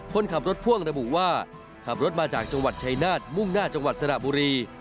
คนขับรถพ่วงระบุว่าขับรถมาจากจังหวัดชายนาฏมุ่งหน้าจังหวัดสระบุรี